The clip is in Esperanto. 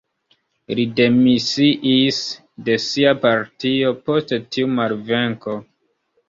Li demisiis de sia partio, post tiu malvenko.